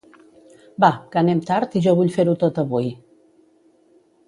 Va, que anem tard i jo vull fer-ho tot avui.